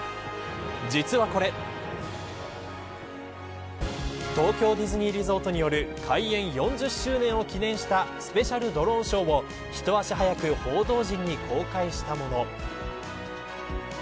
実はこれ東京ディズニーリゾートによる開園４０周年を記念したスペシャルドローンショーをひと足早く報道陣に公開したもの。